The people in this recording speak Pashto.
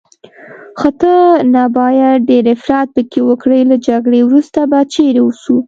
خو ته نه باید ډېر افراط پکې وکړې، له جګړې وروسته به چیرې اوسو؟